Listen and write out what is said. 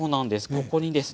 ここにですね